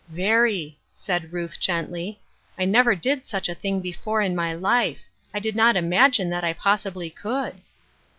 "Very," said Ruth gently ;" I never did such a thing before in my life ; I did not imagine that I possibly could."